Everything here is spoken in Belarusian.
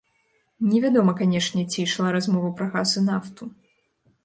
Невядома, канешне, ці ішла размова пра газ і нафту.